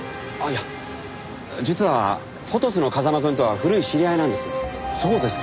いや実は『フォトス』の風間くんとは古い知り合いなんです。